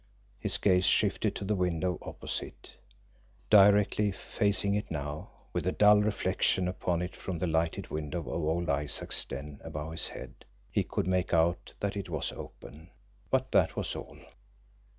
His gaze shifted to the window opposite. Directly facing it now, with the dull reflection upon it from the lighted window of old Isaac's den above his head, he could make out that it was open but that was all.